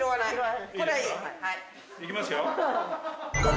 いきますよ。